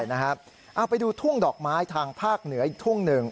ใช่นะครับไปดูทุ่งดอกไม้ทางภาคเหนือทุ่งหนึ่ง